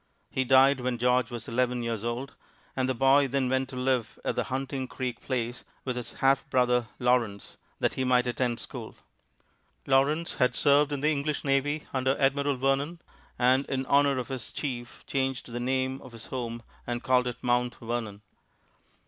He died when George was eleven years old, and the boy then went to live at the "Hunting Creek Place" with his half brother Lawrence, that he might attend school. Lawrence had served in the English navy under Admiral Vernon, and, in honor of his chief, changed the name of his home and called it Mount Vernon.